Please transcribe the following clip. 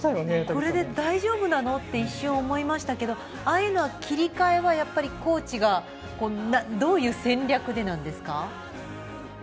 これで大丈夫なのって一瞬思いましたけどああいう切り替えはコーチがどういう戦略で、なんですか？